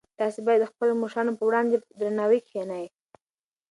تاسي باید د خپلو مشرانو په وړاندې په درناوي کښېنئ.